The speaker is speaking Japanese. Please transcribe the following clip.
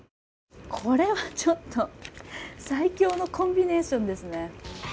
これはちょっと、最強のコンビネーションですね。